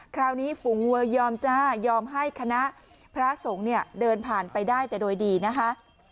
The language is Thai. คราวนี้ฝูงวัวยอมจ้ายอมให้คณะพระสงฆ์เนี่ยเดินผ่านไปได้แต่โดยดีนะคะ